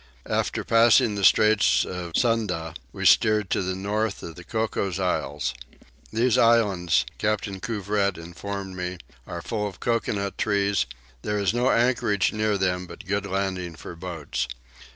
After passing the Straits of Sunda we steered to the north of the Cocos Isles. These islands, Captain Couvret informed me, are full of coconut trees: there is no anchorage near them but good landing for boats.